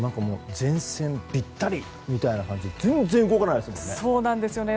前線びったりみたいな感じで全然動かないですよね。